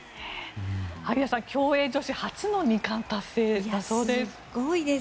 萩谷さん、競泳女子初の２冠達成だそうです。